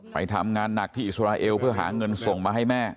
ไปทำงานหนักที่อิสราเอลเพื่อหาเงินส่งมาให้แม่